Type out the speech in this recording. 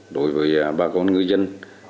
đối với bà con ngư dân